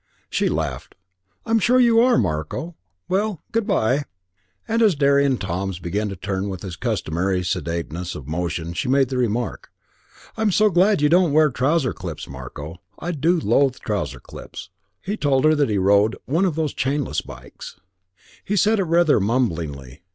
She laughed. "I'm sure you are, Marko. Well, good by"; and as Derry and Toms began to turn with his customary sedateness of motion she made the remark, "I'm so glad you don't wear trouser clips, Marko. I do loathe trouser clips." He told her that he rode "one of those chainless bikes." He said it rather mumblingly.